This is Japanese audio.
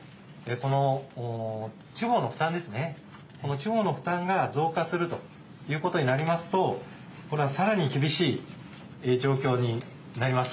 この地方の負担が増加するということになりますとこれはさらに厳しい状況になります。